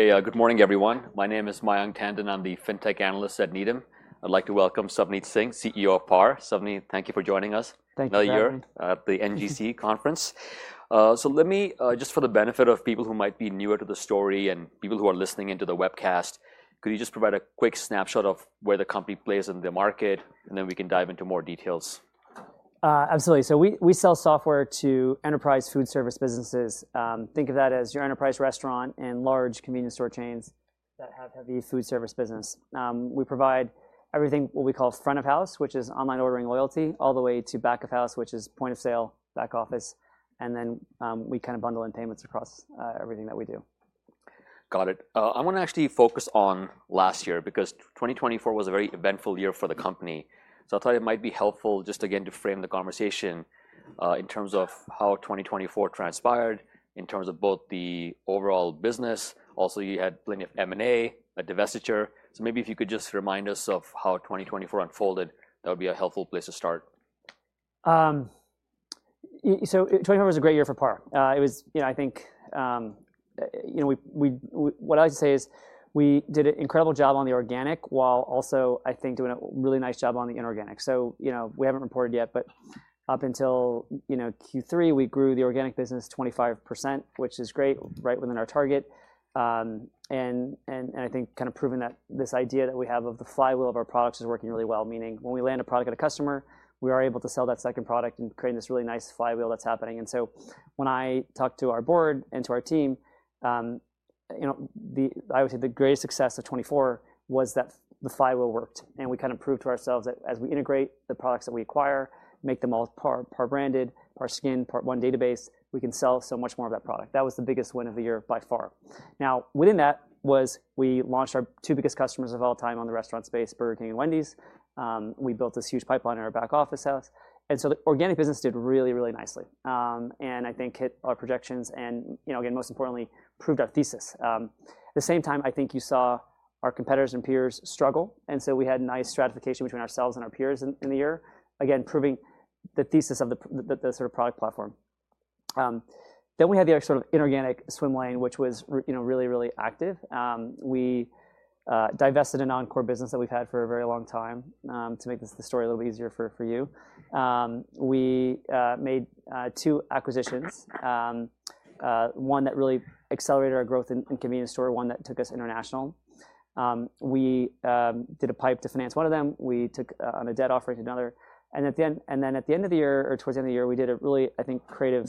Okay, good morning, everyone. My name is Mayank Tandon. I'm the FinTech Analyst at Needham. I'd like to welcome Savneet Singh, CEO of PAR. Savneet, thank you for joining us. Thank you. Another year at the NGC conference, so let me, just for the benefit of people who might be newer to the story and people who are listening into the webcast, could you just provide a quick snapshot of where the company plays in the market, and then we can dive into more details? Absolutely. So we sell software to enterprise food service businesses. Think of that as your enterprise restaurant and large convenience store chains that have heavy food service business. We provide everything what we call front of house, which is online ordering loyalty, all the way to back of house, which is point of sale, back office. And then we kind of bundle in payments across everything that we do. Got it. I want to actually focus on last year because 2024 was a very eventful year for the company. So I thought it might be helpful just, again, to frame the conversation in terms of how 2024 transpired, in terms of both the overall business. Also, you had plenty of M&A, a divestiture. So maybe if you could just remind us of how 2024 unfolded, that would be a helpful place to start. 2024 was a great year for PAR. It was, I think, what I like to say is we did an incredible job on the organic while also, I think, doing a really nice job on the inorganic. We haven't reported yet, but up until Q3, we grew the organic business 25%, which is great, right within our target. I think kind of proving that this idea that we have of the flywheel of our products is working really well, meaning when we land a product at a customer, we are able to sell that second product and create this really nice flywheel that's happening. When I talked to our board and to our team, I would say the greatest success of 2024 was that the flywheel worked. And we kind of proved to ourselves that as we integrate the products that we acquire, make them all PAR branded, PAR skinned, PAR one database, we can sell so much more of that product. That was the biggest win of the year by far. Now, within that was we launched our two biggest customers of all time on the restaurant space, Burger King and Wendy's. We built this huge pipeline in our back of house. And so the organic business did really, really nicely and I think hit our projections and, again, most importantly, proved our thesis. At the same time, I think you saw our competitors and peers struggle. And so we had nice stratification between ourselves and our peers in the year, again, proving the thesis of the sort of product platform. Then we had the sort of inorganic swim lane, which was really, really active. We divested a non-core business that we've had for a very long time to make the story a little easier for you. We made two acquisitions, one that really accelerated our growth in convenience store, one that took us international. We did a PIPE to finance one of them. We took on a debt offering to another. And then at the end of the year or towards the end of the year, we did a really, I think, creative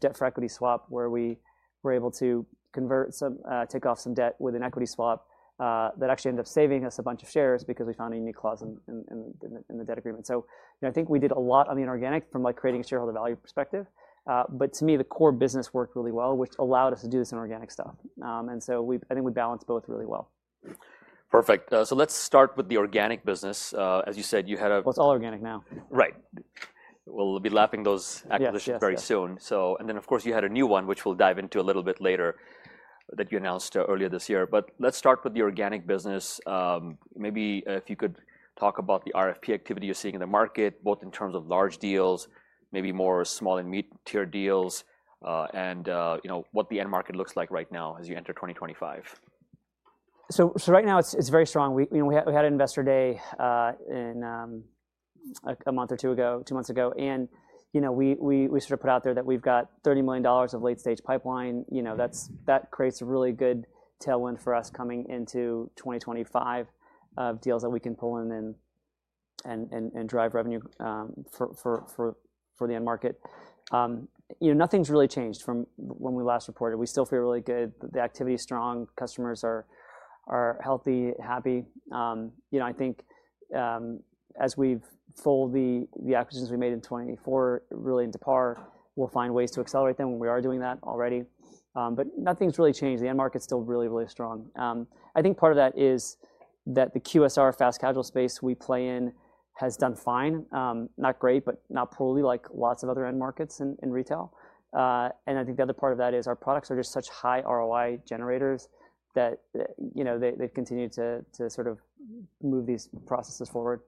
debt for equity swap where we were able to convert some, take off some debt with an equity swap that actually ended up saving us a bunch of shares because we found a unique clause in the debt agreement. So I think we did a lot on the inorganic from a creating a shareholder value perspective. But to me, the core business worked really well, which allowed us to do this inorganic stuff. And so I think we balanced both really well. Perfect. So let's start with the organic business. As you said, you had a. It's all organic now. Right. We'll be closing those acquisitions very soon, and then, of course, you had a new one, which we'll dive into a little bit later that you announced earlier this year, but let's start with the organic business. Maybe if you could talk about the RFP activity you're seeing in the market, both in terms of large deals, maybe more small and mid-tier deals, and what the end market looks like right now as you enter 2025. So right now, it's very strong. We had an investor day a month or two ago, two months ago. And we sort of put out there that we've got $30 million of late-stage pipeline. That creates a really good tailwind for us coming into 2025 of deals that we can pull in and drive revenue for the end market. Nothing's really changed from when we last reported. We still feel really good. The activity is strong. Customers are healthy, happy. I think as we fold the acquisitions we made in 2024 really into PAR, we'll find ways to accelerate them when we are doing that already. But nothing's really changed. The end market's still really, really strong. I think part of that is that the QSR fast casual space we play in has done fine. Not great, but not poorly like lots of other end markets in retail. And I think the other part of that is our products are just such high ROI generators that they've continued to sort of move these processes forward.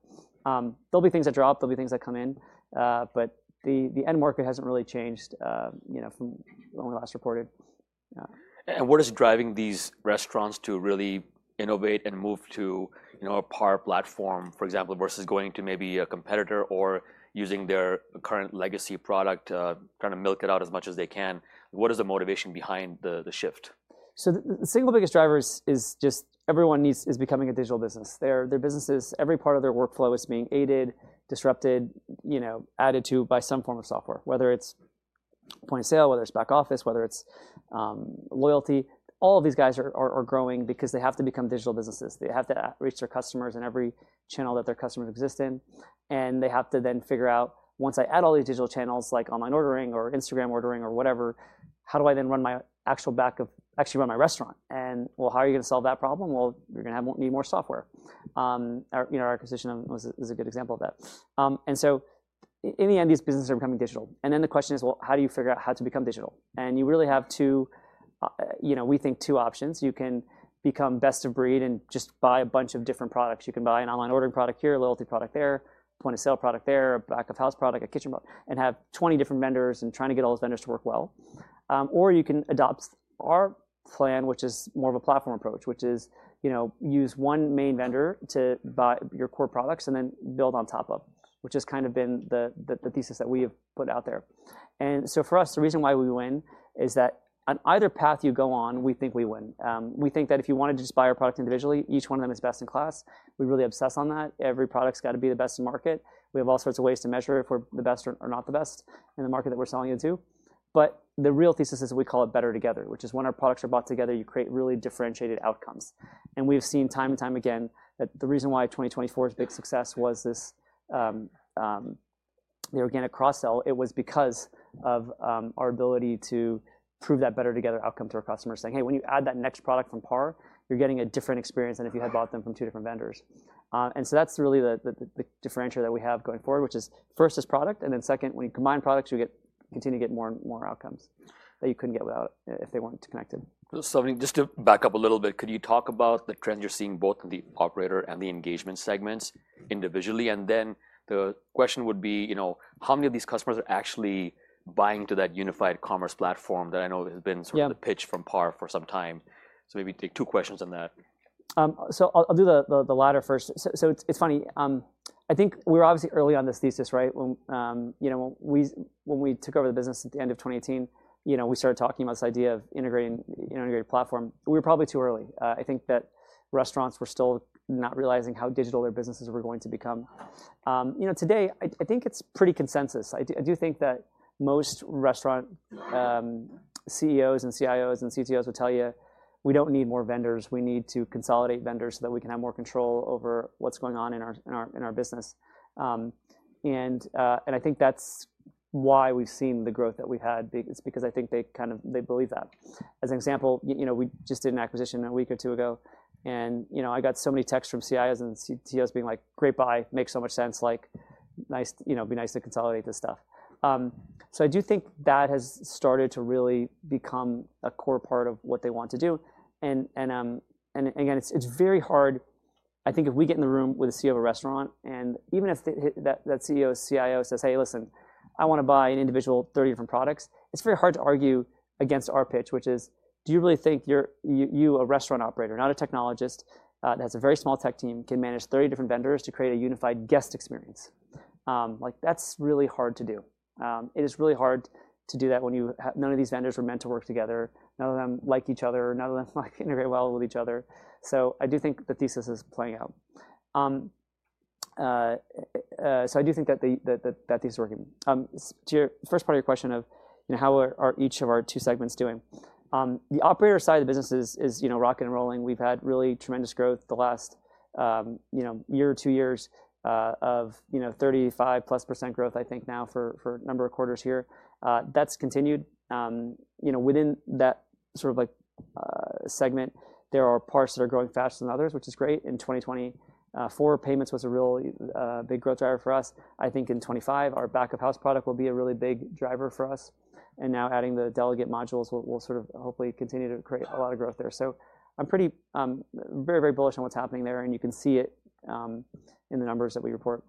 There'll be things that drop. There'll be things that come in. But the end market hasn't really changed from when we last reported. And what is driving these restaurants to really innovate and move to a PAR platform, for example, versus going to maybe a competitor or using their current legacy product to kind of milk it out as much as they can? What is the motivation behind the shift? The single biggest driver is just everyone is becoming a digital business. Their businesses, every part of their workflow is being aided, disrupted, added to by some form of software, whether it's point of sale, whether it's back office, whether it's loyalty. All of these guys are growing because they have to become digital businesses. They have to reach their customers in every channel that their customers exist in. They have to then figure out, once I add all these digital channels like online ordering or Instagram ordering or whatever, how do I then run my actual back of, actually run my restaurant? How are you going to solve that problem? You're going to need more software. Our acquisition was a good example of that. In the end, these businesses are becoming digital. The question is, well, how do you figure out how to become digital? You really have two, we think, two options. You can become best of breed and just buy a bunch of different products. You can buy an online ordering product here, a loyalty product there, point of sale product there, a back of house product, a kitchen product, and have 20 different vendors and trying to get all those vendors to work well. Or you can adopt our plan, which is more of a platform approach, which is use one main vendor to buy your core products and then build on top of, which has kind of been the thesis that we have put out there. For us, the reason why we win is that on either path you go on, we think we win. We think that if you wanted to just buy our product individually, each one of them is best in class. We really obsess on that. Every product's got to be the best in market. We have all sorts of ways to measure if we're the best or not the best in the market that we're selling into. But the real thesis is we call it better together, which is when our products are bought together, you create really differentiated outcomes. And we've seen time and time again that the reason why 2024's big success was the organic cross-sell. It was because of our ability to prove that better together outcome to our customers, saying, "Hey, when you add that next product from PAR, you're getting a different experience than if you had bought them from two different vendors." And so that's really the differential that we have going forward, which is first is product, and then second, when you combine products, you continue to get more and more outcomes that you couldn't get without it if they weren't connected. So just to back up a little bit, could you talk about the trends you're seeing both in the operator and the engagement segments individually? And then the question would be, how many of these customers are actually buying to that unified commerce platform that I know has been sort of the pitch from PAR for some time? So maybe take two questions on that. So I'll do the latter first. So it's funny. I think we were obviously early on this thesis, right? When we took over the business at the end of 2018, we started talking about this idea of integrating an integrated platform. We were probably too early. I think that restaurants were still not realizing how digital their businesses were going to become. Today, I think it's pretty consensus. I do think that most restaurant CEOs and CIOs and CTOs would tell you, "We don't need more vendors. We need to consolidate vendors so that we can have more control over what's going on in our business." And I think that's why we've seen the growth that we've had. It's because I think they kind of believe that. As an example, we just did an acquisition a week or two ago. I got so many texts from CIOs and CTOs being like, "Great, bye. Makes so much sense. Be nice to consolidate this stuff." So I do think that has started to really become a core part of what they want to do. Again, it's very hard, I think, if we get in the room with a CEO of a restaurant, and even if that CEO, CIO says, "Hey, listen, I want to buy like 30 different products," it's very hard to argue against our pitch, which is, "Do you really think you, a restaurant operator, not a technologist that has a very small tech team, can manage 30 different vendors to create a unified guest experience?" That's really hard to do. It is really hard to do that when none of these vendors were meant to work together. None of them like each other. None of them integrate well with each other, so I do think the thesis is playing out, so I do think that this is working. To your first part of your question of how are each of our two segments doing, the operator side of the business is rocketing and rolling. We've had really tremendous growth the last year or two years of 35%+ growth, I think now for a number of quarters here. That's continued. Within that sort of segment, there are PARs that are growing faster than others, which is great. In 2024, payments was a real big growth driver for us. I think in 2025, our back of house product will be a really big driver for us. And now adding the Delaget modules will sort of hopefully continue to create a lot of growth there, so I'm very, very bullish on what's happening there. You can see it in the numbers that we report.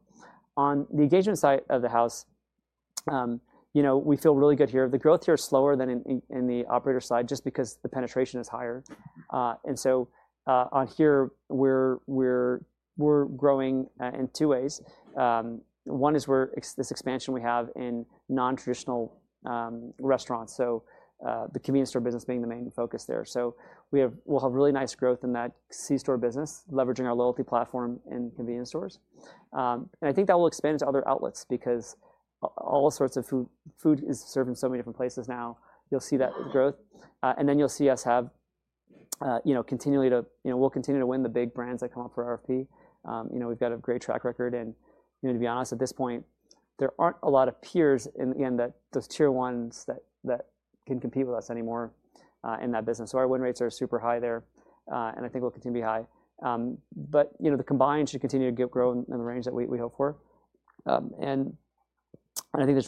On the engagement side of the house, we feel really good here. The growth here is slower than in the operator side just because the penetration is higher. And so on here, we're growing in two ways. One is this expansion we have in non-traditional restaurants, so the convenience store business being the main focus there. So we'll have really nice growth in that C-store business, leveraging our loyalty platform in convenience stores. And I think that will expand into other outlets because all sorts of food is served in so many different places now. You'll see that growth. And then you'll see us continue to win the big brands that come up for RFP. We've got a great track record. And, to be honest, at this point, there aren't a lot of peers in the end that those tier ones that can compete with us anymore in that business. So our win rates are super high there. And I think we'll continue to be high. But the combined should continue to grow in the range that we hope for. And I think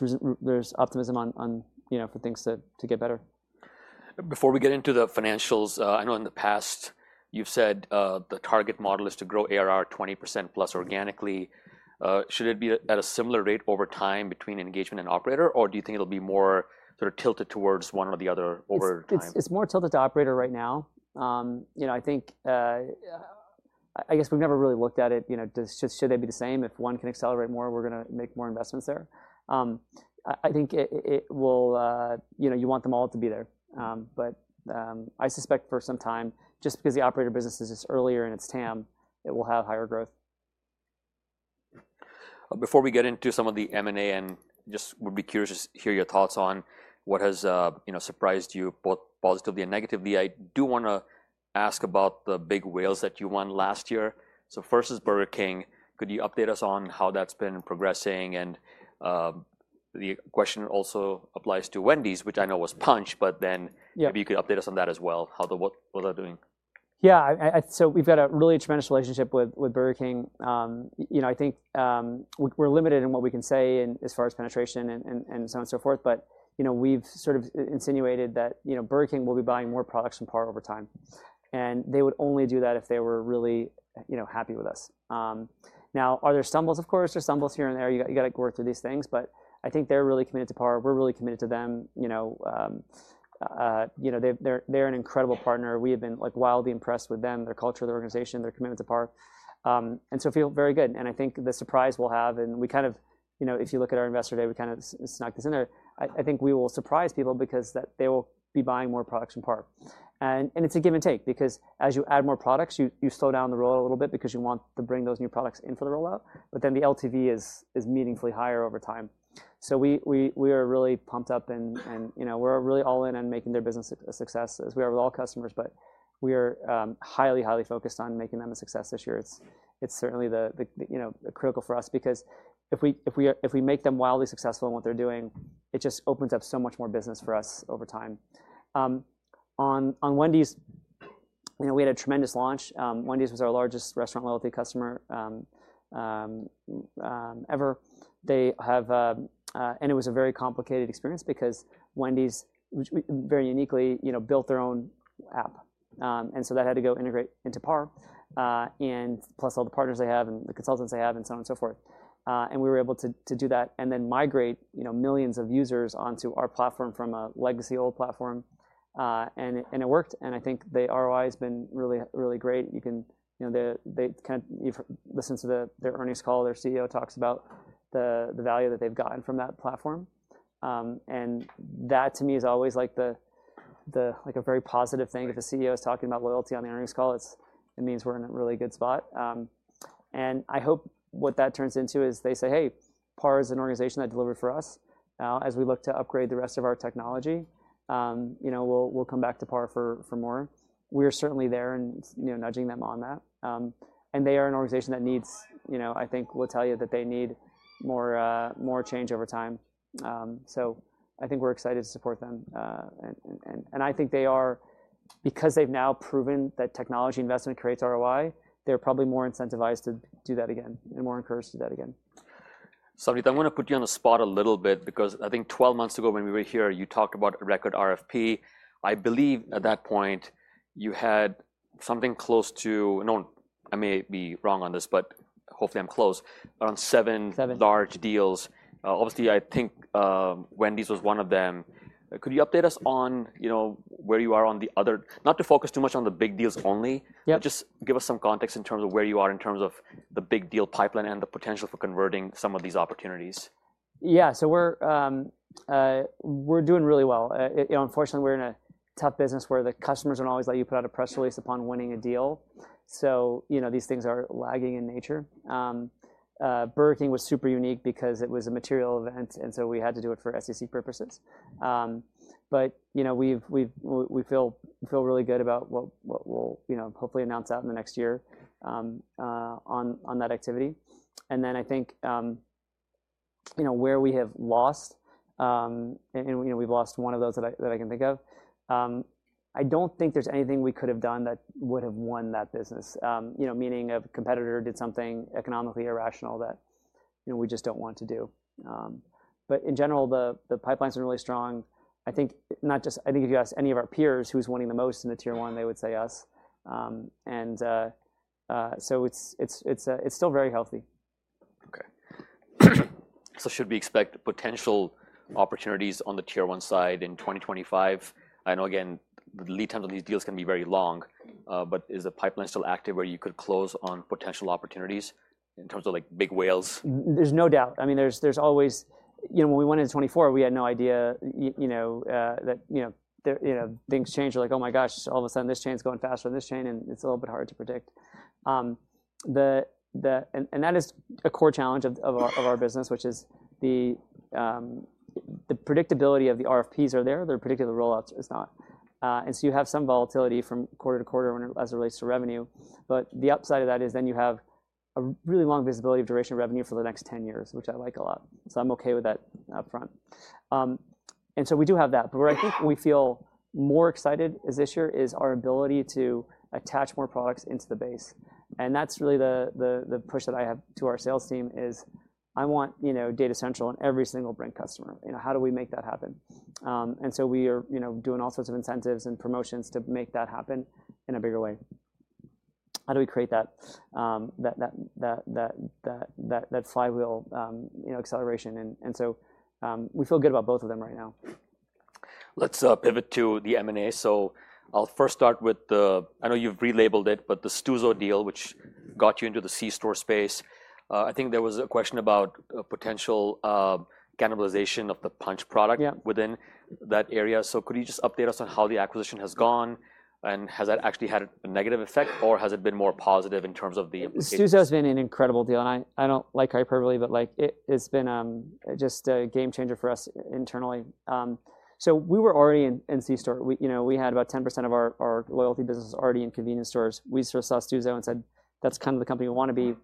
there's optimism for things to get better. Before we get into the financials, I know in the past you've said the target model is to grow ARR 20% plus organically. Should it be at a similar rate over time between engagement and operator, or do you think it'll be more sort of tilted towards one or the other over time? It's more tilted to operator right now. I guess we've never really looked at it. Should they be the same? If one can accelerate more, we're going to make more investments there. I think you want them all to be there. But I suspect for some time, just because the operator business is just earlier in its TAM, it will have higher growth. Before we get into some of the M&A, and just would be curious to hear your thoughts on what has surprised you both positively and negatively. I do want to ask about the big whales that you won last year. So first is Burger King. Could you update us on how that's been progressing? And the question also applies to Wendy's, which I know was Punchh, but then maybe you could update us on that as well, how the whales are doing. Yeah. So we've got a really tremendous relationship with Burger King. I think we're limited in what we can say as far as penetration and so on and so forth. But we've sort of insinuated that Burger King will be buying more products from PAR over time. And they would only do that if they were really happy with us. Now, are there stumbles, of course, or stumbles here and there? You got to work through these things. But I think they're really committed to PAR. We're really committed to them. They're an incredible partner. We have been wildly impressed with them, their culture, their organization, their commitment to PAR. And so feel very good. I think the surprise we'll have, and we kind of, if you look at our investor day, we kind of snuck this in there. I think we will surprise people because they will be buying more products from PAR. And it's a give and take because as you add more products, you slow down the rollout a little bit because you want to bring those new products into the rollout. But then the LTV is meaningfully higher over time. So we are really pumped up and we're really all in on making their business a success as we are with all customers. But we are highly, highly focused on making them a success this year. It's certainly critical for us because if we make them wildly successful in what they're doing, it just opens up so much more business for us over time. On Wendy's, we had a tremendous launch. Wendy's was our largest restaurant loyalty customer ever, and it was a very complicated experience because Wendy's very uniquely built their own app. And so that had to go integrate into PAR, and plus all the partners they have and the consultants they have and so on and so forth. And we were able to do that and then migrate millions of users onto our platform from a legacy old platform, and it worked. And I think the ROI has been really, really great. They kind of listen to their earnings call. Their CEO talks about the value that they've gotten from that platform, and that to me is always like a very positive thing. If a CEO is talking about loyalty on the earnings call, it means we're in a really good spot. I hope what that turns into is they say, "Hey, PAR is an organization that delivered for us. Now, as we look to upgrade the rest of our technology, we'll come back to PAR for more." We are certainly there and nudging them on that. And they are an organization that needs, I think we'll tell you that they need more change over time. So I think we're excited to support them. And I think they are, because they've now proven that technology investment creates ROI, they're probably more incentivized to do that again and more encouraged to do that again. So I want to put you on the spot a little bit because I think 12 months ago when we were here, you talked about a record RFP. I believe at that point you had something close to, and I may be wrong on this, but hopefully I'm close, around seven large deals. Obviously, I think Wendy's was one of them. Could you update us on where you are on the other, not to focus too much on the big deals only, but just give us some context in terms of where you are in terms of the big deal pipeline and the potential for converting some of these opportunities? Yeah. So we're doing really well. Unfortunately, we're in a tough business where the customers don't always let you put out a press release upon winning a deal. So these things are lagging in nature. Burger King was super unique because it was a material event. And so we had to do it for SEC purposes. But we feel really good about what we'll hopefully announce out in the next year on that activity. And then I think where we have lost, and we've lost one of those that I can think of, I don't think there's anything we could have done that would have won that business, meaning a competitor did something economically irrational that we just don't want to do. But in general, the pipelines are really strong. I think if you ask any of our peers who's winning the most in the tier one, they would say us, and so it's still very healthy. Okay. So should we expect potential opportunities on the tier one side in 2025? I know, again, the lead time on these deals can be very long. But is the pipeline still active where you could close on potential opportunities in terms of big whales? There's no doubt. I mean, there's always, when we went into 2024, we had no idea that things changed. We're like, "Oh my gosh, all of a sudden this chain's going faster than this chain." And it's a little bit hard to predict. And that is a core challenge of our business, which is the predictability of the RFPs are there. They're predictable. The rollout is not. And so you have some volatility from quarter to quarter as it relates to revenue. But the upside of that is then you have a really long visibility of duration of revenue for the next 10 years, which I like a lot. So I'm okay with that upfront. And so we do have that. But where I think we feel more excited is this year is our ability to attach more products into the base. And that's really the push that I have to our sales team is I want Data Central on every single brand customer. How do we make that happen? And so we are doing all sorts of incentives and promotions to make that happen in a bigger way. How do we create that flywheel acceleration? And so we feel good about both of them right now. Let's pivot to the M&A. So I'll first start with the, I know you've relabeled it, but the Stuzo deal, which got you into the C-store space. I think there was a question about potential cannibalization of the punch product within that area. So could you just update us on how the acquisition has gone? And has that actually had a negative effect, or has it been more positive in terms of the? Stuzo has been an incredible deal. I don't like hyperbole, but it's been just a game changer for us internally. We were already in C-store. We had about 10% of our loyalty business already in convenience stores. We sort of saw Stuzo and said, "That's kind of the company we want to be."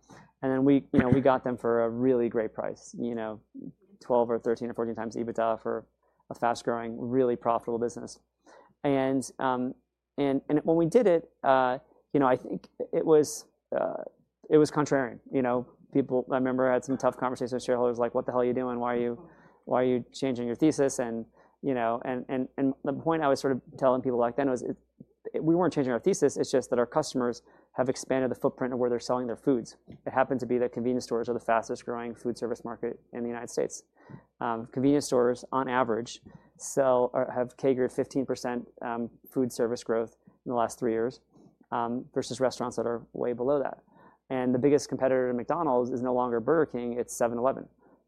We got them for a really great price, 12 or 13 or 14x EBITDA for a fast-growing, really profitable business. When we did it, I think it was contrarian. I remember I had some tough conversations with shareholders, like, "What the hell are you doing? Why are you changing your thesis?" The point I was sort of telling people back then was we weren't changing our thesis. It's just that our customers have expanded the footprint of where they're selling their foods. It happened to be that convenience stores are the fastest-growing food service market in the United States. Convenience stores, on average, have catered 15% food service growth in the last three years versus restaurants that are way below that. And the biggest competitor to McDonald's is no longer Burger King. It's 7-Eleven.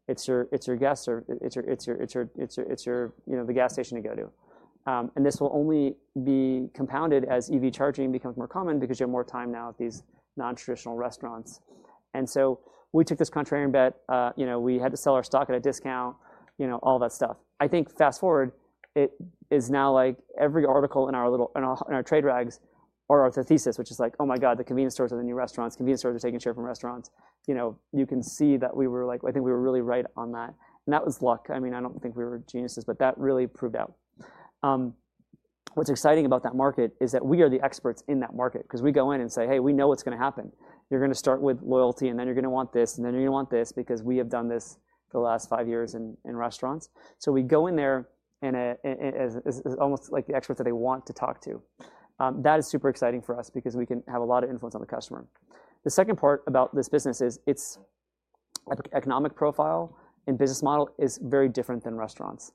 It's your gas or it's the gas station you go to. And this will only be compounded as EV charging becomes more common because you have more time now at these non-traditional restaurants. And so we took this contrarian bet. We had to sell our stock at a discount, all that stuff. I think fast forward, it is now like every article in our trade rags are our thesis, which is like, "Oh my God, the convenience stores are the new restaurants. “Convenience stores are taking share from restaurants.” You can see that we were like, I think we were really right on that, and that was luck. I mean, I don't think we were geniuses, but that really proved out. What's exciting about that market is that we are the experts in that market because we go in and say, “Hey, we know what's going to happen. You're going to start with loyalty, and then you're going to want this, and then you're going to want this because we have done this for the last five years in restaurants.” So we go in there and it's almost like the experts that they want to talk to. That is super exciting for us because we can have a lot of influence on the customer. The second part about this business is its economic profile and business model is very different than restaurants.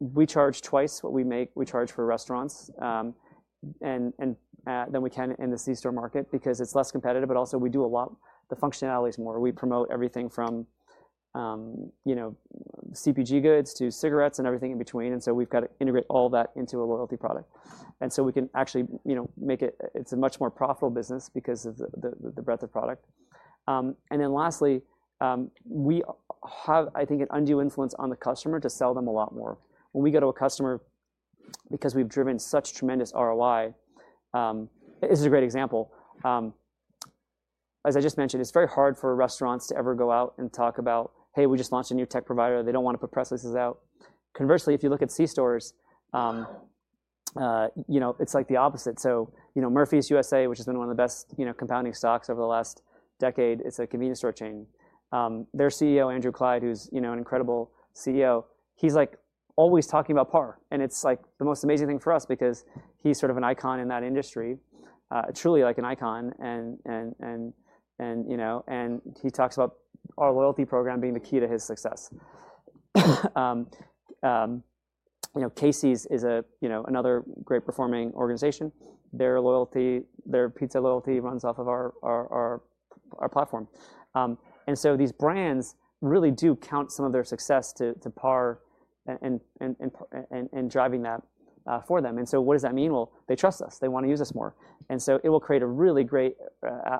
We charge twice what we make. We charge less for restaurants than we can in the C-store market because it's less competitive. But also we do a lot. The functionality is more. We promote everything from CPG goods to cigarettes and everything in between. And so we've got to integrate all that into a loyalty product. And so we can actually make it. It's a much more profitable business because of the breadth of product. And then lastly, we have, I think, an undue influence on the customer to sell them a lot more. When we go to a customer because we've driven such tremendous ROI, this is a great example. As I just mentioned, it's very hard for restaurants to ever go out and talk about, "Hey, we just launched a new tech provider. They don't want to put press releases out." Conversely, if you look at C-stores, it's like the opposite. So Murphy USA, which has been one of the best compounding stocks over the last decade, it's a convenience store chain. Their CEO, Andrew Clyde, who's an incredible CEO, he's like always talking about PAR. And it's like the most amazing thing for us because he's sort of an icon in that industry, truly like an icon. And he talks about our loyalty program being the key to his success. Casey's is another great performing organization. Their pizza loyalty runs off of our platform. And so these brands really do count some of their success to PAR and driving that for them. And so what does that mean? Well, they trust us. They want to use us more. And so it will create a really great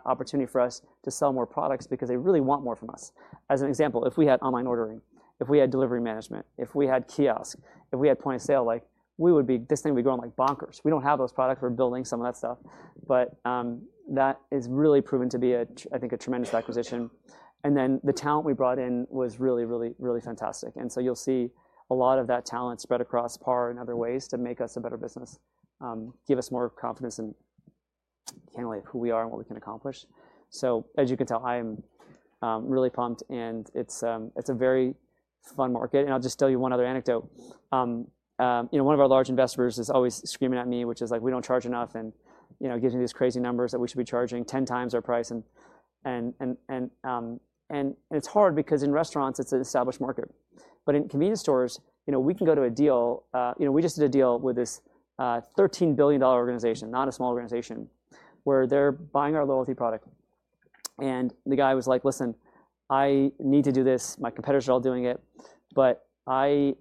opportunity for us to sell more products because they really want more from us. As an example, if we had online ordering, if we had delivery management, if we had kiosks, if we had point of sale, like this thing would be growing like bonkers. We don't have those products. We're building some of that stuff. But that is really proven to be, I think, a tremendous acquisition. And then the talent we brought in was really, really, really fantastic. And so you'll see a lot of that talent spread across PAR in other ways to make us a better business, give us more confidence in who we are and what we can accomplish. So as you can tell, I am really pumped, and it's a very fun market. And I'll just tell you one other anecdote. One of our large investors is always screaming at me, which is like, "We don't charge enough," and gives me these crazy numbers that we should be charging 10 times our price. And it's hard because in restaurants, it's an established market. But in convenience stores, we can go to a deal. We just did a deal with this $13 billion organization, not a small organization, where they're buying our loyalty product. And the guy was like, "Listen, I need to do this. My competitors are all doing it. But I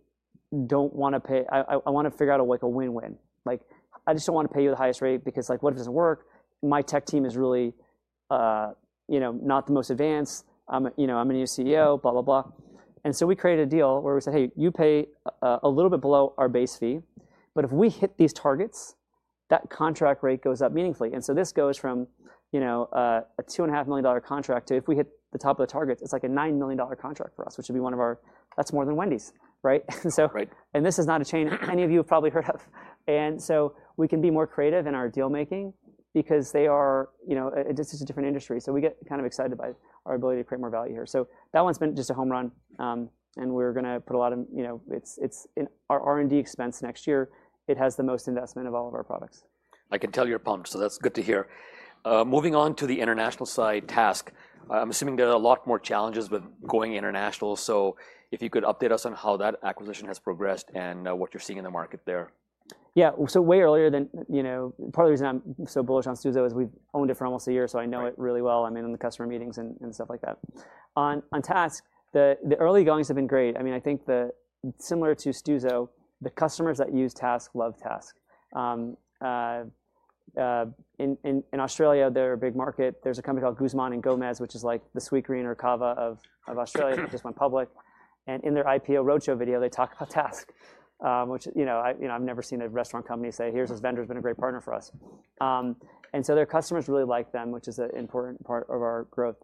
don't want to pay. I want to figure out a win-win. I just don't want to pay you the highest rate because what if it doesn't work? My tech team is really not the most advanced. “I'm a new CEO, blah, blah, blah.” And so we created a deal where we said, “Hey, you pay a little bit below our base fee. But if we hit these targets, that contract rate goes up meaningfully.” And so this goes from a $2.5 million contract to if we hit the top of the targets, it's like a $9 million contract for us, which would be one of our, that's more than Wendy's, right? And this is not a chain any of you have probably heard of. And so we can be more creative in our deal-making because this is a different industry. So we get kind of excited by our ability to create more value here. So that one's been just a home run. And we're going to put a lot of, it's in our R&D expense next year. It has the most investment of all of our products. I can tell you're pumped. So that's good to hear. Moving on to the international side, TASK, I'm assuming there are a lot more challenges with going international. So if you could update us on how that acquisition has progressed and what you're seeing in the market there. Yeah. So way earlier than part of the reason I'm so bullish on Stuzo is we've owned it for almost a year. So I know it really well. I'm in on the customer meetings and stuff like that. On TASK, the early goings have been great. I mean, I think similar to Stuzo, the customers that use TASK love TASK. In Australia, their big market, there's a company called Guzman y Gomez, which is like the Sweetgreen or CAVA of Australia that just went public. And in their IPO roadshow video, they talk about TASK, which I've never seen a restaurant company say, "Here's this vendor who's been a great partner for us." And so their customers really like them, which is an important part of our growth.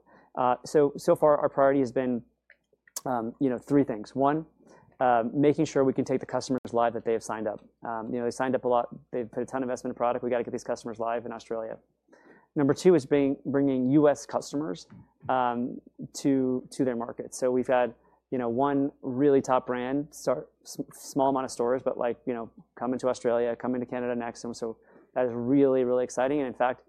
So far, our priority has been three things. One, making sure we can take the customers live that they have signed up. They signed up a lot. They've put a ton of investment in product. We got to get these customers live in Australia. Number two is bringing U.S. customers to their market. So we've had one really top brand, small amount of stores, but coming to Australia, coming to Canada next. And so that is really, really exciting. And in fact,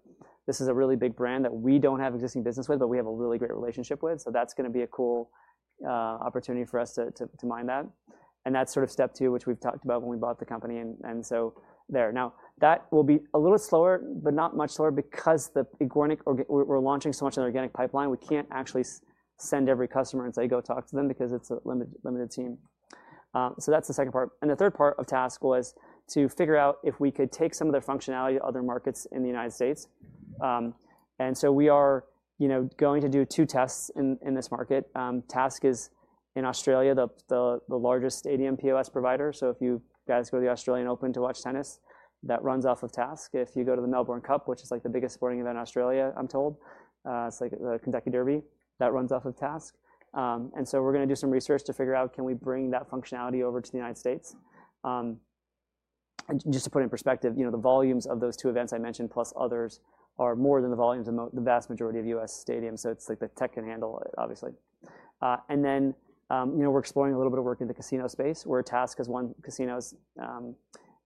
this is a really big brand that we don't have existing business with, but we have a really great relationship with. So that's going to be a cool opportunity for us to mine that. And that's sort of step two, which we've talked about when we bought the company. And so there. Now, that will be a little slower, but not much slower because we're launching so much of the organic pipeline. We can't actually send every customer and say, "Go talk to them," because it's a limited team. So that's the second part. And the third part of TASK was to figure out if we could take some of the functionality of other markets in the United States. And so we are going to do two tests in this market. TASK is in Australia, the largest stadium POS provider. So if you guys go to the Australian Open to watch tennis, that runs off of TASK. If you go to the Melbourne Cup, which is like the biggest sporting event in Australia, I'm told, it's like the Kentucky Derby, that runs off of TASK. And so we're going to do some research to figure out can we bring that functionality over to the United States. Just to put it in perspective, the volumes of those two events I mentioned, plus others, are more than the volumes of the vast majority of U.S. stadiums. So it's like the tech can handle it, obviously. And then we're exploring a little bit of work in the casino space, where TASK has won casinos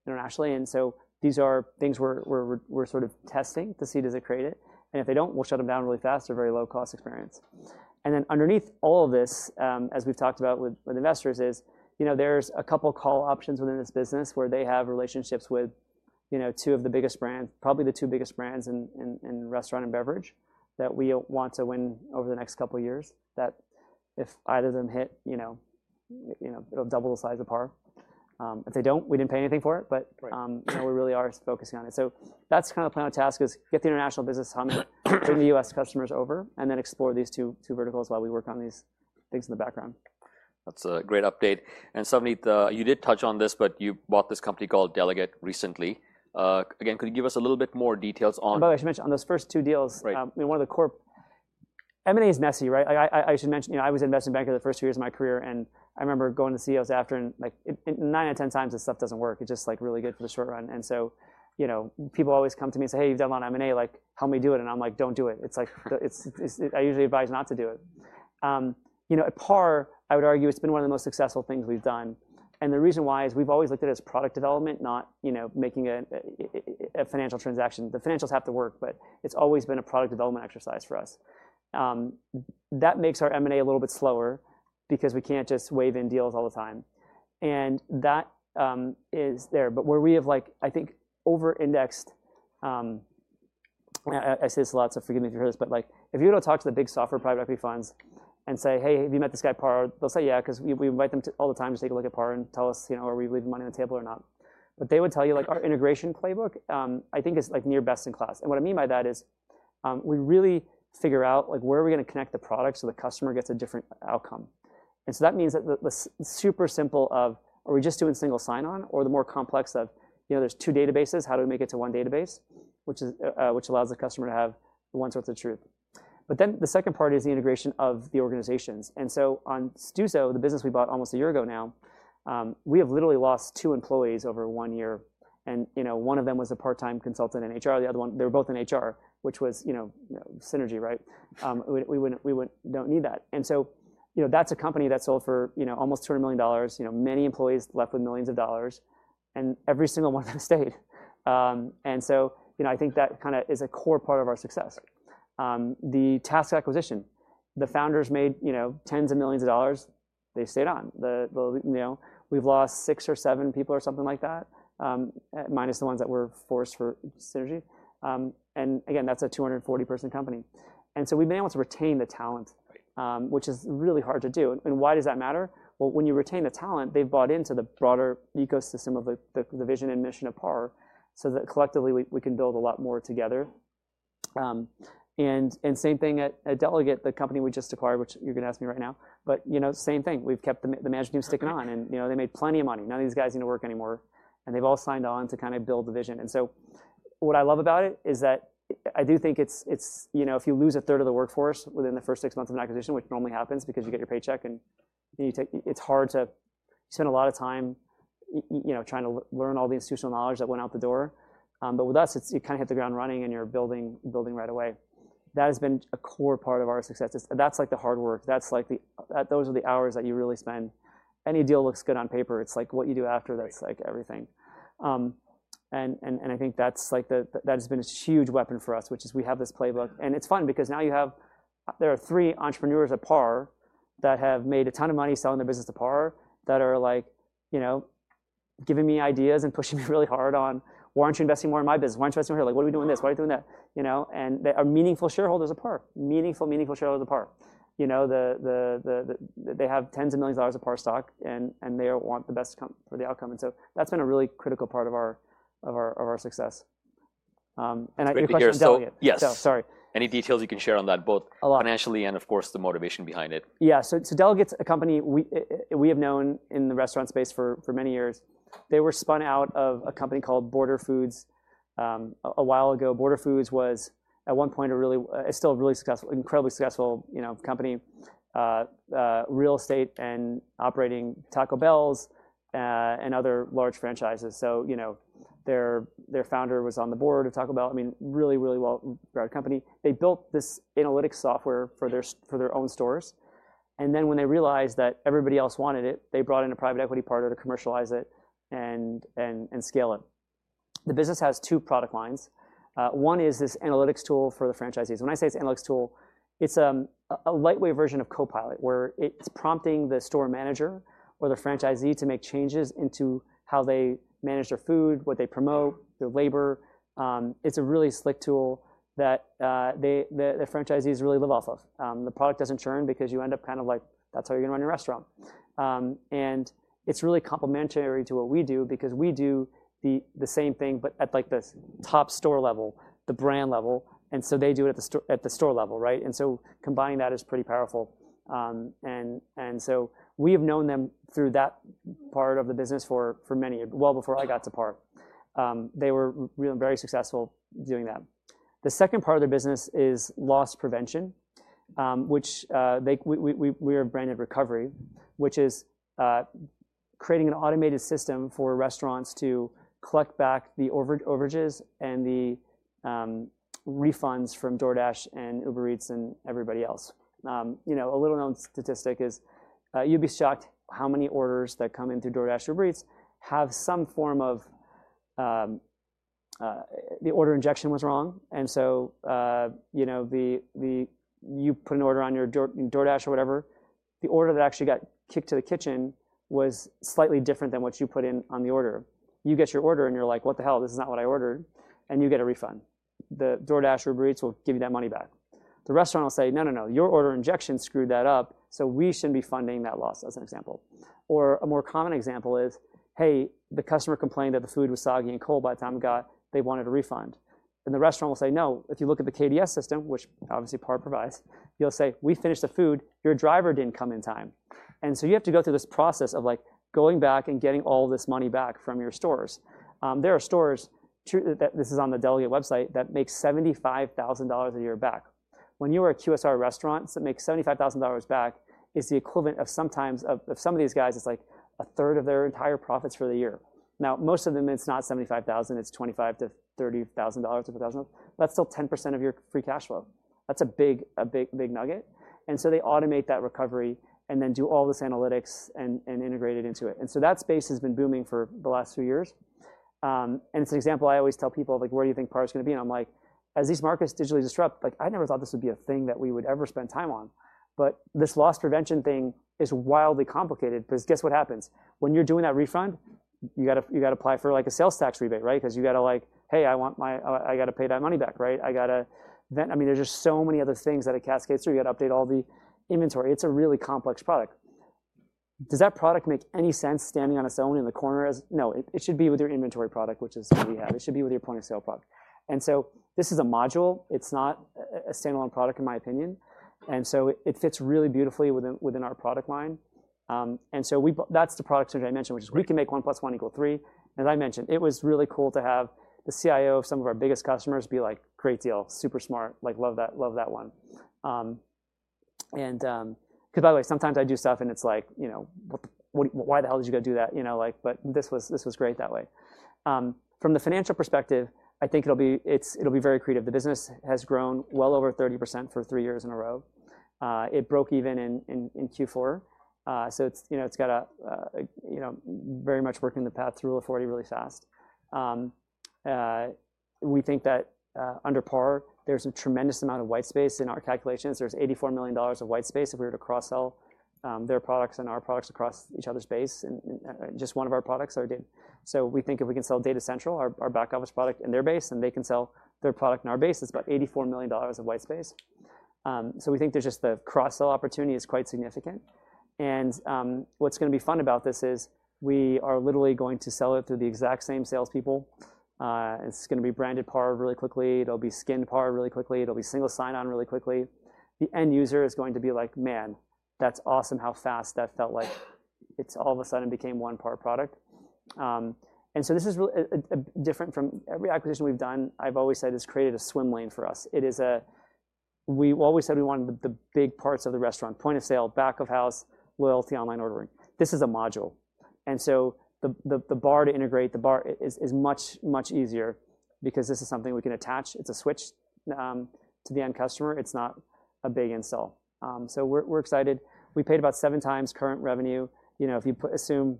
internationally. And so these are things we're sort of testing to see does it create it. And if they don't, we'll shut them down really fast. They're a very low-cost experience. And then underneath all of this, as we've talked about with investors, is there's a couple of call options within this business where they have relationships with two of the biggest brands, probably the two biggest brands in restaurant and beverage that we want to win over the next couple of years. That if either of them hit, it'll double the size of PAR. If they don't, we didn't pay anything for it, but we really are focusing on it. That’s kind of the plan on TASK: get the international business hungry, bring the U.S. customers over, and then explore these two verticals while we work on these things in the background. That's a great update, and Savneet, you did touch on this, but you bought this company called Delaget recently. Again, could you give us a little bit more details on? By the way, I should mention on those first two deals, one of the core, M&A is messy, right? I should mention I was investing in banks for the first two years of my career. And I remember going to CEOs after and nine out of 10 times this stuff doesn't work. It's just like really good for the short run. And so people always come to me and say, "Hey, you've done a lot of M&A. Help me do it." And I'm like, "Don't do it." I usually advise not to do it. At PAR, I would argue it's been one of the most successful things we've done. And the reason why is we've always looked at it as product development, not making a financial transaction. The financials have to work, but it's always been a product development exercise for us. That makes our M&A a little bit slower because we can't just wave in deals all the time. And that is there. But where we have, I think, over-indexed, I say this a lot, so forgive me if you've heard this, but if you go to talk to the big software private equity funds and say, "Hey, have you met this guy PAR?" They'll say, "Yeah," because we invite them all the time to take a look at PAR and tell us, are we leaving money on the table or not. But they would tell you our integration playbook, I think, is near best in class. And what I mean by that is we really figure out where are we going to connect the products so the customer gets a different outcome. And so that means that the super simple of are we just doing single sign-on or the more complex of there's two databases, how do we make it to one database, which allows the customer to have one source of truth. But then the second part is the integration of the organizations. And so on Stuzo, the business we bought almost a year ago now, we have literally lost two employees over one year. And one of them was a part-time consultant in HR. They were both in HR, which was synergy, right? We don't need that. And so that's a company that sold for almost $200 million. Many employees left with millions of dollars, and every single one of them stayed. And so I think that kind of is a core part of our success. The TASK acquisition, the founders made tens of millions of dollars. They stayed on. We've lost six or seven people or something like that, minus the ones that were forced for synergy. And again, that's a 240-person company. And so we've been able to retain the talent, which is really hard to do. And why does that matter? Well, when you retain the talent, they've bought into the broader ecosystem of the vision and mission of PAR so that collectively we can build a lot more together. And same thing at Delaget, the company we just acquired, which you're going to ask me right now. But same thing. We've kept the management team sticking on. And they made plenty of money. None of these guys need to work anymore. And they've all signed on to kind of build the vision. And so what I love about it is that I do think if you lose a third of the workforce within the first six months of an acquisition, which normally happens because you get your paycheck, it's hard to spend a lot of time trying to learn all the institutional knowledge that went out the door. But with us, you kind of hit the ground running and you're building right away. That has been a core part of our success. That's like the hard work. Those are the hours that you really spend. Any deal looks good on paper. It's like what you do after that's like everything. And I think that has been a huge weapon for us, which is we have this playbook. It's fun because now you have there are three entrepreneurs at PAR that have made a ton of money selling their business to PAR that are giving me ideas and pushing me really hard on, "Why aren't you investing more in my business? Why aren't you investing more here? What are we doing this? Why are we doing that?" And they are meaningful shareholders of PAR. Meaningful, meaningful shareholders of PAR. They have tens of millions of dollars of PAR stock, and they want the best for the outcome. And so that's been a really critical part of our success. And I can share some details. Any details you can share on that, both financially and, of course, the motivation behind it? Yeah, so Delaget's a company we have known in the restaurant space for many years. They were spun out of a company called Border Foods a while ago. Border Foods was at one point a really successful, incredibly successful company, real estate and operating Taco Bells and other large franchises. So their founder was on the board of Taco Bell. I mean, really, really well-bred company. They built this analytics software for their own stores. And then when they realized that everybody else wanted it, they brought in a private equity partner to commercialize it and scale it. The business has two product lines. One is this analytics tool for the franchisees. When I say it's analytics tool, it's a lightweight version of Copilot where it's prompting the store manager or the franchisee to make changes into how they manage their food, what they promote, their labor. It's a really slick tool that the franchisees really live off of. The product doesn't churn because you end up kind of like, "That's how you're going to run your restaurant." And it's really complementary to what we do because we do the same thing, but at the top store level, the brand level. And so they do it at the store level, right? And so combining that is pretty powerful. And so we have known them through that part of the business for many, well before I got to PAR. They were very successful doing that. The second part of their business is loss prevention, which we rebranded Recovery, which is creating an automated system for restaurants to collect back the overages and the refunds from DoorDash and Uber Eats and everybody else. A little-known statistic is you'd be shocked how many orders that come in through DoorDash or Uber Eats have some form of the order injection was wrong. And so you put an order on your DoorDash or whatever. The order that actually got kicked to the kitchen was slightly different than what you put in on the order. You get your order and you're like, "What the hell? This is not what I ordered." And you get a refund. The DoorDash or Uber Eats will give you that money back. The restaurant will say, "No, no, no. Your order injection screwed that up, so we shouldn't be funding that loss," as an example. Or a more common example is, "Hey, the customer complained that the food was soggy and cold by the time we got it. They wanted a refund." And the restaurant will say, "No. If you look at the KDS system, which obviously PAR provides, you'll say, "We finished the food. Your driver didn't come in time." And so you have to go through this process of going back and getting all this money back from your stores. There are stores, this is on the Delaget website, that make $75,000 a year back. When you are a QSR restaurant, so it makes $75,000 back, it's the equivalent of sometimes of some of these guys, it's like a third of their entire profits for the year. Now, most of them, it's not $75,000, it's $25,000 to $30,000 to $40,000. That's still 10% of your free cash flow. That's a big nugget. And so they automate that recovery and then do all this analytics and integrate it into it. And so that space has been booming for the last few years. And it's an example I always tell people of like, "Where do you think PAR is going to be?" And I'm like, "As these markets digitally disrupt, I never thought this would be a thing that we would ever spend time on." But this loss prevention thing is wildly complicated because guess what happens? When you're doing that refund, you got to apply for like a sales tax rebate, right? Because you got to like, "Hey, I got to pay that money back," right? I mean, there's just so many other things that it cascades through. You got to update all the inventory. It's a really complex product. Does that product make any sense standing on its own in the corner? No, it should be with your inventory product, which is what we have. It should be with your point of sale product. And so this is a module. It's not a standalone product, in my opinion, and so it fits really beautifully within our product line, and so that's the product strategy I mentioned, which is we can make one plus one equal three. As I mentioned, it was really cool to have the CIO of some of our biggest customers be like, "Great deal. Super smart. Love that one," because by the way, sometimes I do stuff and it's like, "Why the hell did you go do that," but this was great that way. From the financial perspective, I think it'll be very creative. The business has grown well over 30% for three years in a row. It broke even in Q4, so it's got to very much work in the path to Rule of 40 really fast. We think that under PAR, there's a tremendous amount of white space in our calculations. There's $84 million of white space if we were to cross-sell their products and our products across each other's base, just one of our products or two. So we think if we can sell Data Central, our back office product in their base, and they can sell their product in our base, it's about $84 million of white space. So we think just the cross-sell opportunity is quite significant. And what's going to be fun about this is we are literally going to sell it through the exact same salespeople. It's going to be branded PAR really quickly. It'll be skinned PAR really quickly. It'll be single sign-on really quickly. The end user is going to be like, "Man, that's awesome how fast that felt like it all of a sudden became one PAR product." And so this is different from every acquisition we've done. I've always said it's created a swim lane for us. We always said we wanted the big parts of the restaurant: point of sale, back of house, loyalty, online ordering. This is a module. And so the barrier to integrate the bar is much, much easier because this is something we can attach. It's a switch to the end customer. It's not a big install. So we're excited. We paid about seven times current revenue. If you assume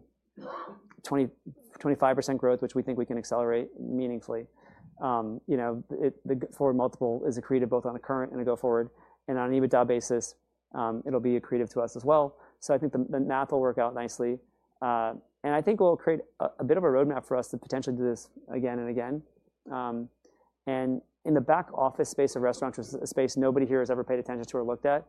25% growth, which we think we can accelerate meaningfully, the forward multiple is accretive both on a current and a go forward. And on an EBITDA basis, it'll be accretive to us as well. So I think the math will work out nicely. And I think it will create a bit of a roadmap for us to potentially do this again and again. And in the back office space of restaurants, nobody here has ever paid attention to or looked at.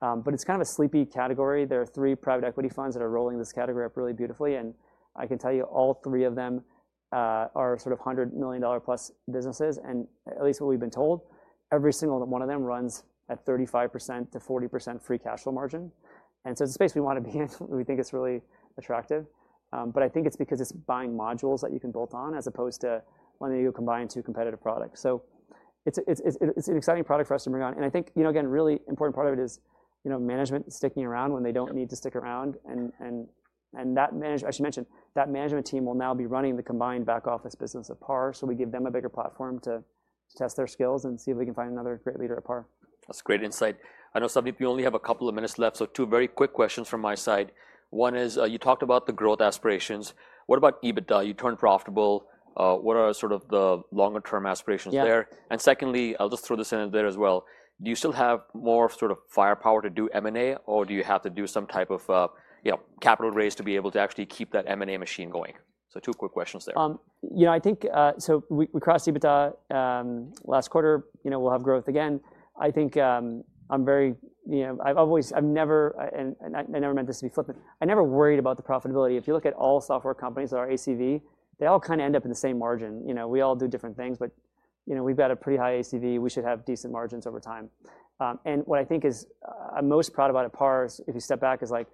But it's kind of a sleepy category. There are three private equity funds that are rolling this category up really beautifully. And I can tell you all three of them are sort of $100 million plus businesses. And at least what we've been told, every single one of them runs at 35%-40% free cash flow margin. And so it's a space we want to be in. We think it's really attractive. But I think it's because it's buying modules that you can build on as opposed to letting you combine two competitive products. So it's an exciting product for us to bring on. And I think, again, a really important part of it is management sticking around when they don't need to stick around. I should mention that management team will now be running the combined back office business of PAR. We give them a bigger platform to test their skills and see if we can find another great leader at PAR. That's great insight. I know some people only have a couple of minutes left. So two very quick questions from my side. One is you talked about the growth aspirations. What about EBITDA? You turned profitable. What are sort of the longer-term aspirations there? And secondly, I'll just throw this in there as well. Do you still have more sort of firepower to do M&A or do you have to do some type of capital raise to be able to actually keep that M&A machine going? So two quick questions there. So we crossed EBITDA last quarter. We'll have growth again. I think. I've never meant this to be flippant. I never worried about the profitability. If you look at all software companies that are ACV, they all kind of end up in the same margin. We all do different things, but we've got a pretty high ACV. We should have decent margins over time. And what I think is I'm most proud about at PAR, if you step back, is like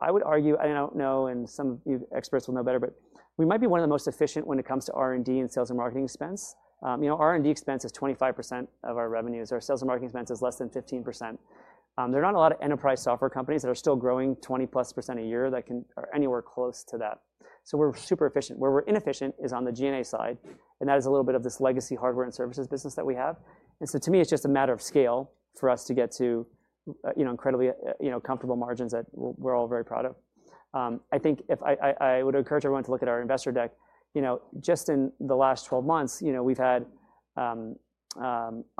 I would argue, and I don't know, and some of you experts will know better, but we might be one of the most efficient when it comes to R&D and sales and marketing expense. R&D expense is 25% of our revenues. Our sales and marketing expense is less than 15%. There are not a lot of enterprise software companies that are still growing 20-plus% a year that are anywhere close to that. So we're super efficient. Where we're inefficient is on the G&A side. And that is a little bit of this legacy hardware and services business that we have. And so to me, it's just a matter of scale for us to get to incredibly comfortable margins that we're all very proud of. I think I would encourage everyone to look at our investor deck. Just in the last 12 months, we've had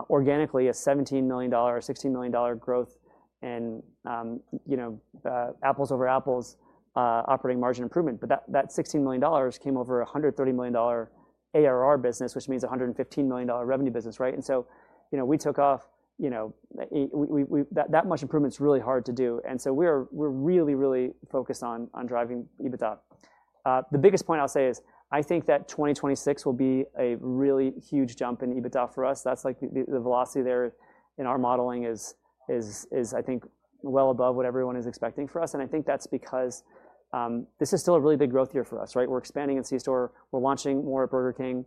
organically a $17 million or $16 million growth in apples over apples operating margin improvement. But that $16 million came over a $130 million ARR business, which means a $115 million revenue business, right? And so we took off that much improvement is really hard to do. And so we're really, really focused on driving EBITDA. The biggest point I'll say is I think that 2026 will be a really huge jump in EBITDA for us. That's like the velocity there in our modeling is, I think, well above what everyone is expecting for us. And I think that's because this is still a really big growth year for us, right? We're expanding in C-store. We're launching more at Burger King.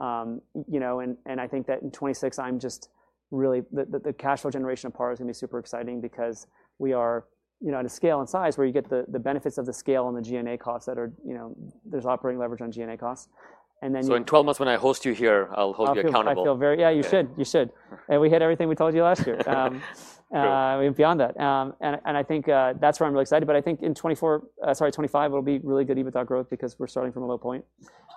And I think that in 2026, I'm just really the cash flow generation of PAR is going to be super exciting because we are at a scale and size where you get the benefits of the scale and the G&A costs that there's operating leverage on G&A costs. So in 12 months when I host you here, I'll hold you accountable. Yeah, you should. You should. And we hit everything we told you last year. We went beyond that. And I think that's where I'm really excited. But I think in 2024, sorry, 2025, it'll be really good EBITDA growth because we're starting from a low point.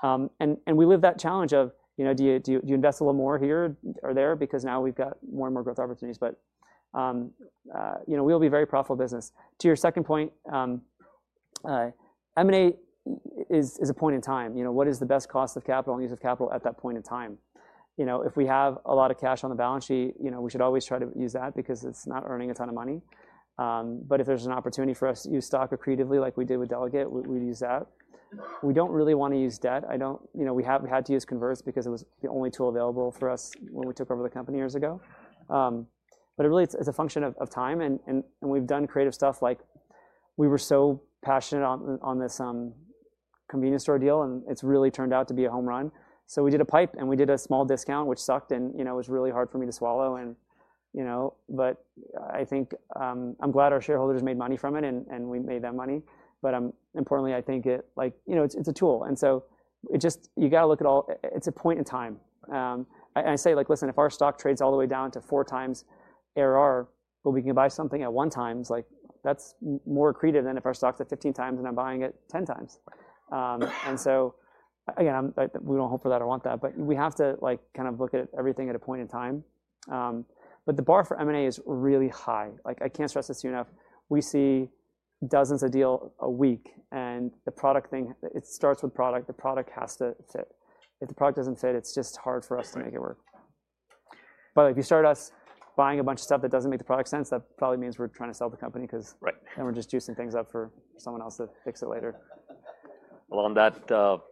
And we live that challenge of do you invest a little more here or there because now we've got more and more growth opportunities. But we'll be a very profitable business. To your second point, M&A is a point in time. What is the best cost of capital and use of capital at that point in time? If we have a lot of cash on the balance sheet, we should always try to use that because it's not earning a ton of money. But if there's an opportunity for us to use stock accretively like we did with Delaget, we'd use that. We don't really want to use debt. We had to use convertibles because it was the only tool available for us when we took over the company years ago, but it really is a function of time, and we've done creative stuff. We were so passionate on this convenience store deal, and it's really turned out to be a home run, so we did a PIPE, and we did a small discount, which sucked, and it was really hard for me to swallow, but I think I'm glad our shareholders made money from it, and we made them money, but importantly, I think it's a tool, and so you got to look at it all; it's a point in time. I say, "Listen, if our stock trades all the way down to four times ARR, but we can buy something at one times, that's more accretive than if our stock's at 15 times and I'm buying it 10 times." And so, again, we don't hope for that or want that. But we have to kind of look at everything at a point in time. But the bar for M&A is really high. I can't stress this to you enough. We see dozens of deals a week. And the product thing, it starts with product. The product has to fit. If the product doesn't fit, it's just hard for us to make it work. But if you start us buying a bunch of stuff that doesn't make the product sense, that probably means we're trying to sell the company because then we're just juicing things up for someone else to fix it later. On that.